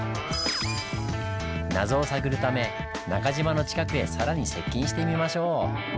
謎を探るため中島の近くへ更に接近してみましょう！